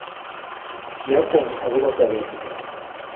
Kiakwong' akobo sobet ni